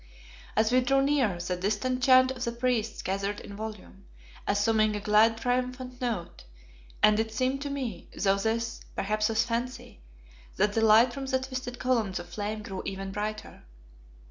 As we drew near the distant chant of the priests gathered in volume, assuming a glad, triumphant note, and it seemed to me though this, perhaps was fancy that the light from the twisted columns of flame grew even brighter.